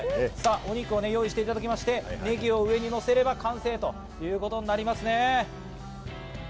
お肉を用意していただきまして、ネギを上にのせれば完成ということになりますね。